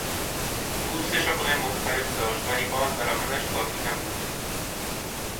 او سه شغل مختلف داشت ولی باز درآمدش کافی نبود.